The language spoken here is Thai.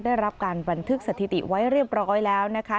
ได้รับการบันทึกสถิติไว้เรียบร้อยแล้วนะคะ